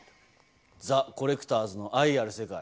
ザ・コレクターズの愛ある世界。